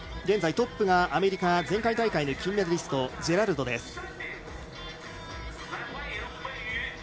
現在、トップがアメリカ前回大会金メダリストのジェラルドです。